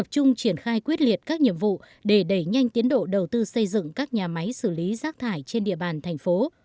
chung triển khai quyết liệt các nhiệm vụ để đẩy nhanh tiến độ đầu tư xây dựng các nhà máy xử lý rác thải trên địa bàn thành phố